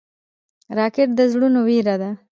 راکټ د زړونو وېره ده